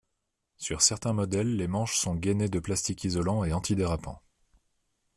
Sur certains modèles, les manches sont gainées de plastique isolant et anti-dérapant.